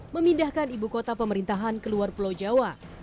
memindahkan ibu kota pemerintahan ke luar pulau jawa